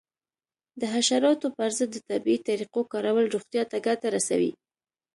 د حشراتو پر ضد د طبیعي طریقو کارول روغتیا ته ګټه رسوي.